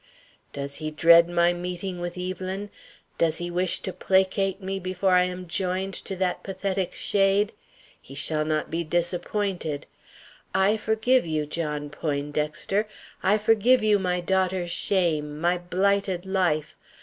"Does he dread my meeting with Evelyn? Does he wish to placate me before I am joined to that pathetic shade? He shall not be disappointed. I forgive you, John Poindexter! I forgive you my daughter's shame, my blighted life.